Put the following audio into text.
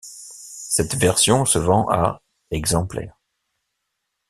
Cette version se vend à exemplaires.